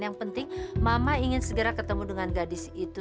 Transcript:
yang penting mama ingin segera ketemu dengan gadis itu